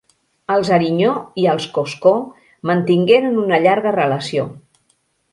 Els Arinyó i els Coscó mantingueren una llarga relació.